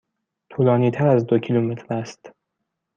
طولانی تر از دو کیلومتر است.